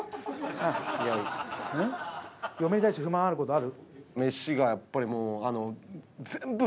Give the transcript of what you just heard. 嫁に対して不満あることある？